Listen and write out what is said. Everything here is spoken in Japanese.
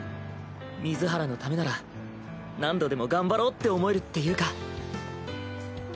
水原のためなら何度でも頑張ろうって思えるっていうか。